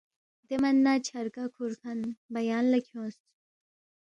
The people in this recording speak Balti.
دے من نہ چھرگا کھُورکھن بیان لہ کھیونگس